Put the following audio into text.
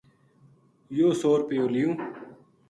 یوہ سو رُپیو لیوں